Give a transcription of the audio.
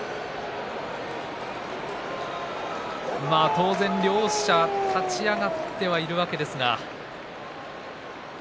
当然、両者立ち上がってはいるわけですが。